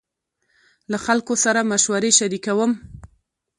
له خلکو سره مشورې شريکوم.